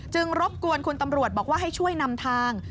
รบกวนคุณตำรวจบอกว่าให้ช่วยนำทาง